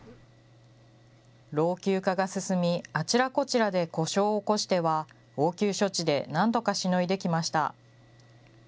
老朽化が進み、あちらこちらで故障を起こしては、応急処置でなんとかしのいできました。